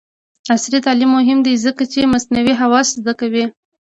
عصري تعلیم مهم دی ځکه چې د مصنوعي هوش زدکړه کوي.